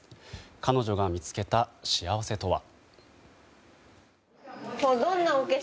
彼女が見つけた幸せとは？